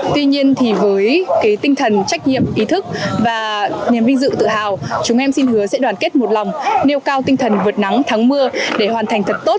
tuy nhiên thì với tinh thần trách nhiệm ý thức và niềm vinh dự tự hào chúng em xin hứa sẽ đoàn kết một lòng nêu cao tinh thần vượt nắng thắng mưa để hoàn thành thật tốt